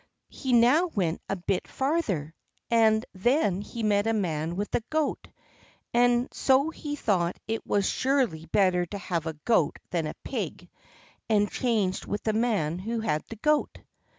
He now went a bit farther, and then he met a man with a goat, and so he thought it was surely better to have a goat than a pig, and changed with the man who had the goat.